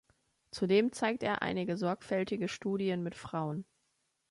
Zudem zeigt er einige sorgfältige Studien mit Frauen.